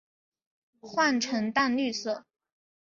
喙呈淡绿色。